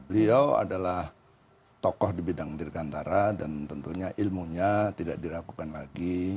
beliau adalah tokoh di bidang dirgantara dan tentunya ilmunya tidak diragukan lagi